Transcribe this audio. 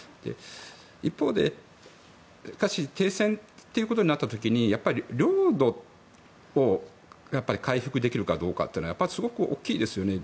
一方で停戦ということになった時にやっぱり領土を回復できるかどうかというのはすごく大きいですよね。